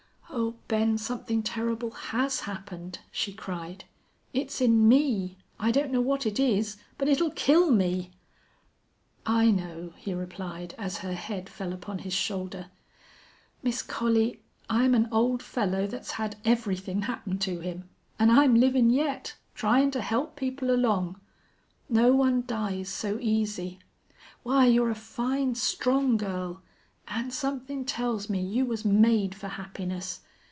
"Oh, Ben, something terrible has happened," she cried. "It's in me! I don't know what it is. But it'll kill me." "I know," he replied, as her head fell upon his shoulder. "Miss Collie, I'm an old fellow that's had everythin' happen to him, an' I'm livin' yet, tryin' to help people along. No one dies so easy. Why, you're a fine, strong girl an' somethin' tells me you was made for happiness.